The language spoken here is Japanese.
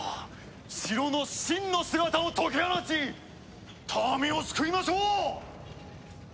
城の真の姿を解き放ち民を救いましょう！